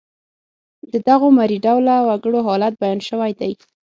د دغو مري ډوله وګړو حالت بیان شوی دی.